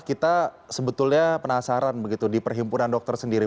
kita sebetulnya penasaran begitu di perhimpunan dokter sendiri